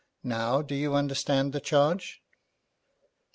Now do you understand the charge?'